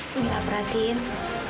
bila perhitungan itu